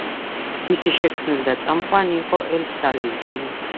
მისი შემქმნელი და წამყვანი იყო ედ სალივანი.